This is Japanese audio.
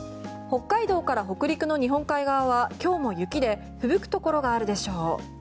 北海道から北陸の日本海側は今日も雪でふぶくところがあるでしょう。